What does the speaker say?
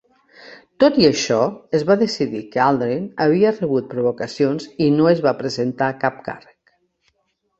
Tot i això, es va decidir que Aldrin havia rebut provocacions i no es va presentar cap càrrec.